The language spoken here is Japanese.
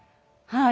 はい。